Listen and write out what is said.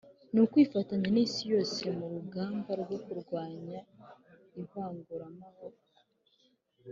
mukwifatanya n'isi yose mu rugamba rwo kurwanya ivanguramoko